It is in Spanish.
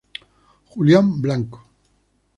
Julián Blanco.